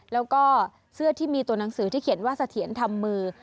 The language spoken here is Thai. แล้วก็เสื้อที่มีตัวหนังสือที่เขียนว่าเสถียรทำมือ